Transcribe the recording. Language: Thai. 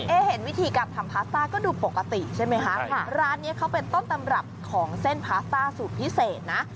เห็นวิธีการทำพาสต้าก็ดูปกติใช่ไหมคะร้านนี้เขาเป็นต้นตำรับของเส้นพาสต้าสูตรพิเศษนะ